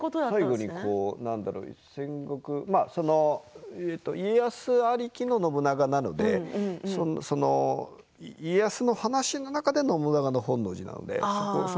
最後に家康ありきの信長なので家康の話の中で信長の本能寺なので。